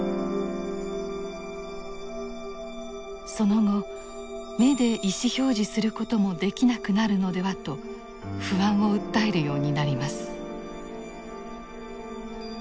その後目で意思表示することもできなくなるのではと不安を訴えるようになります。